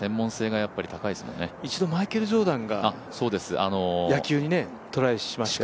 一度マイケル・ジョーダンが野球にトライしましたよね。